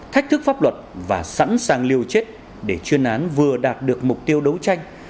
thách thức pháp luật và sẵn sàng liều chết để chuyên án vừa đạt được mục tiêu đấu tranh